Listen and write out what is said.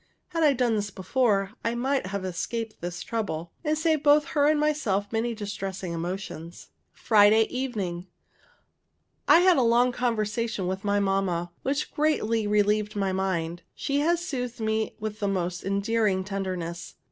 Had I done this before, I might have escaped this trouble, and saved both her and myself many distressing emotions. Friday evening'. I have had a long conversation with my mamma, which has greatly relieved my mind. She has soothed me with the most endearing tenderness.